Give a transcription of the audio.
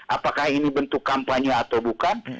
apakah ini bentuk kampanye atau bukan